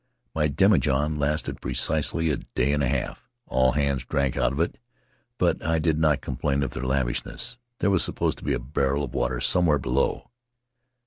"My demijohn lasted precisely a day and a half. All hands drank out of it, but I did not complain of their lavishness — there was supposed to be a barrel of water somewhere below.